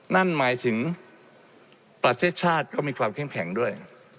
นั่นหมายถึงประเทศชาติก็มีความเข้มแข็งด้วย